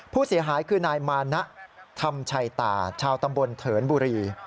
ผู้เสียหายคือนายมานะธรรมชัยตาชาวตำบลเถินบุรี